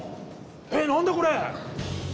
えっなんだ？これ。